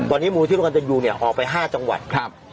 ตอนนี้มูลที่เรากับจะเนี้ยออกไปห้าจังหวัดครับ